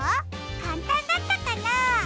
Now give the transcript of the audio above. かんたんだったかな？